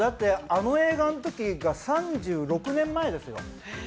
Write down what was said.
あの映画のときが３６年前ですよ。